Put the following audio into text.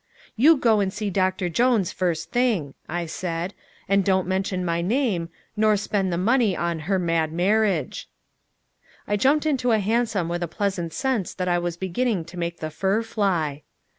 "You go and see Doctor Jones first thing," I said. "And don't mention my name, nor spend the money on Her Mad Marriage." I jumped into a hansom with a pleasant sense that I was beginning to make the fur fly.